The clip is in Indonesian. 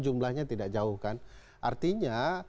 jumlahnya tidak jauh kan artinya